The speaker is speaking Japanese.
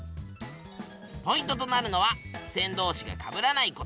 ポイントとなるのはふせんどうしがかぶらないこと。